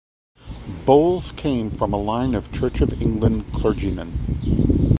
Bowles came from a line of Church of England clergymen.